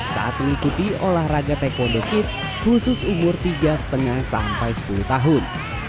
saat mengikuti olahraga taekwondo kids khusus umur tiga lima sampai sepuluh tahun